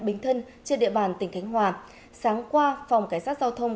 bình thân trên địa bàn tỉnh khánh hòa sáng qua phòng cảnh sát giao thông